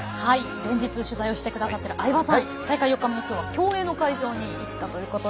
本日取材をしてくださった相葉さん大会４日目、競泳の会場に行ったということで。